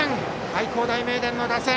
愛工大名電の打線。